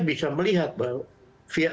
bisa melihat bahwa via